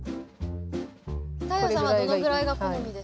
太陽さんはどのぐらいが好みですか？